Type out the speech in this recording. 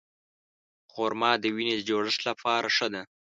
خرما د وینې د جوړښت لپاره ښه ده.